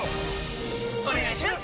お願いします！！！